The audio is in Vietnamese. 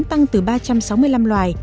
tăng từ ba trăm sáu mươi năm loài